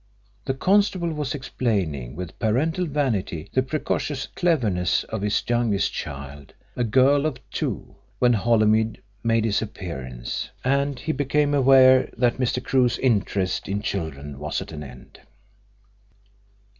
The constable was explaining with parental vanity the precocious cleverness of his youngest child, a girl of two, when Holymead made his appearance, and he became aware that Mr. Crewe's interest in children was at an end.